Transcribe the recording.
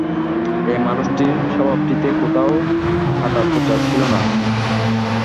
এই মানুষটির স্বভাবটিতে কোথাও কাঁটাখোঁচা ছিল না।